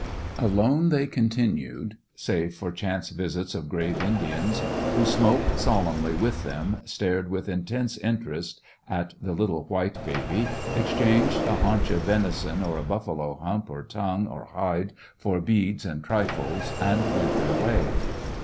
Alone they continued, save for chance visits of grave Indians, who The West Was Young fimoked solemnly with them, stared with intense interest at the little white baby, exchanged a haunch of venison or a buffalo hump or tongue or hide for beads and trifles and went their way.